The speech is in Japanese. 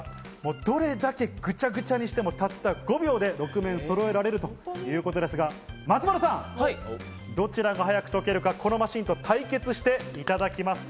どれだけぐちゃぐちゃにしてもたった５秒で６面そろえれるということですが、松丸さん、どちらが早く解けるか、このマシンと対決していただきます。